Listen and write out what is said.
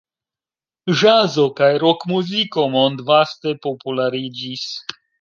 Ĵazo kaj rokmuziko mondvaste populariĝis.